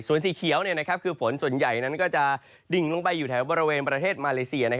ส่วนสีเขียวคือฝนส่วนใหญ่นั้นก็จะดิ่งลงไปอยู่แถวบริเวณประเทศมาเลเซีย